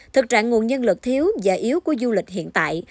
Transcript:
thực trạng nguồn nhân lực thiếu và yếu của du lịch hiện tại